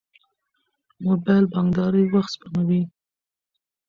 موبایل بانکداري وخت سپموي.